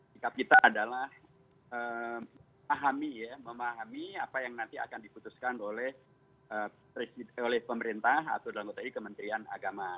sikap kita adalah memahami apa yang nanti akan diputuskan oleh pemerintah atau dalam kota ini kementerian agama